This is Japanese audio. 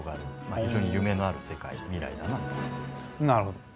非常に夢のある世界未来だなと思います。